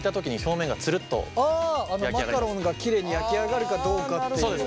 マカロンがきれいに焼き上がるかどうかっていう。